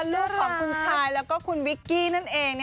เรื่องของคุณชายแล้วก็คุณวิกกี้นั่นเอง